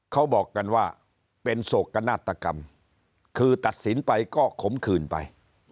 เขาบอกกันว่าเป็นโศกนาฏกรรมคือตัดสินไปก็ขมขืนไป